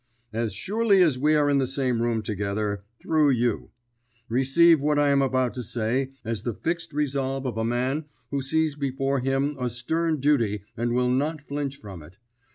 "As surely as we are in the same room together, through you. Receive what I am about to say as the fixed resolve of a man who sees before him a stern duty and will not flinch from it.